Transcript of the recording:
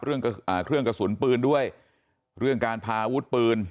เรื่องเครื่องกระสุนปืนด้วยเรื่องการพาอาวุธปืน